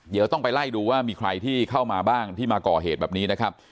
เดี๋ยวต้องไปไล่ดูว่ามีใครที่เข้ามาบ้างที่มาก่อเหตุแบบนี้นะครับ